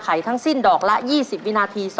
ทั้งสิ้นดอกละ๒๐วินาที